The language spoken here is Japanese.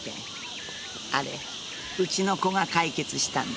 あれうちの子が解決したんです。